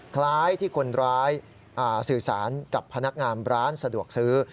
คล้ายที่คนร้ายสื่อสารกับพนักงานร้านสะดวกซื้อ